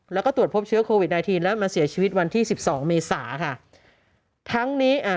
แล้วก็ตรวจพบเชื้อโควิดไนทีนแล้วมาเสียชีวิตวันที่สิบสองเมษาค่ะทั้งนี้อ่า